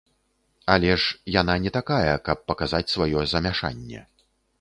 Але ж яна не такая, каб паказаць сваё замяшанне.